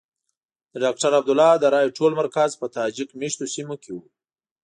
د ډاکټر عبدالله د رایو ټول مرکز په تاجک مېشتو سیمو کې وو.